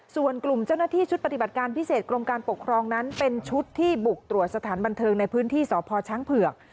ส่วนกลุ่มเจ้าหน้าที่ชุดปฏิบัติการพิเศษกรมการปกครองนั้นเป็นชุดที่บุกตรวจสถานบันเทิงในพื้นที่สพช้างเผือก